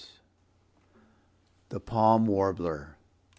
THE PALM WARBLER.